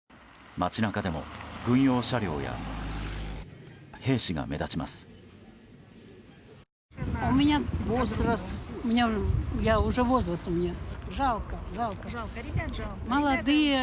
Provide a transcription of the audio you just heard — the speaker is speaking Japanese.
街中でも軍用車両や兵士が目立ちます。